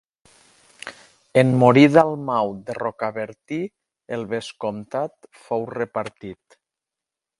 En morir Dalmau de Rocabertí, el vescomtat fou repartit.